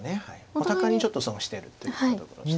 お互いにちょっと損してるというところです。